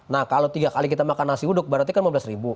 nah kalau tiga kali kita makan nasi uduk berarti kan lima belas ribu